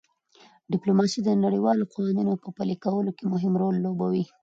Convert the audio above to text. ډیپلوماسي د نړیوالو قوانینو په پلي کولو کې مهم رول لوبوي